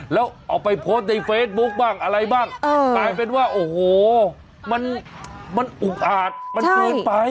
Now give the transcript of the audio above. แล้วเอาไปโพสต์ในเฟซบุ๊คบ้างอะไรบ้างกลายเป็นว่าโอ้โหมันอุกอาจมันเกินไป